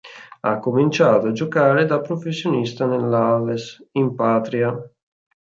Ha cominciato a giocare da professionista nell'Aves, in patria.